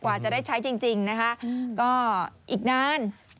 กว่าจะได้ใช้จริงนะคะก็อีกนาน